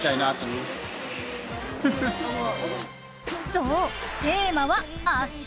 そうテーマは「脚」